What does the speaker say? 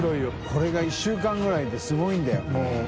これが１週間ぐらいですごいんだ森田）